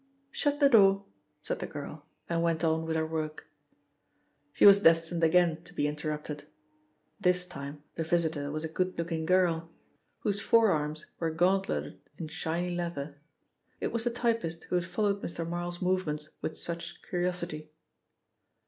"Shut the door," said the girl and went on with her work. She was destined again to be interrupted. This time the visitor was a good looking girl, whose forearms were gauntletted in shiny leather. It was the typist who had followed Mr. Marl's movements with such curiosity.